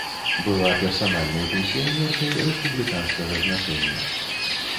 Была персанальнай пенсіянеркай рэспубліканскага значэння.